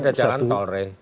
karena ada jalan tol re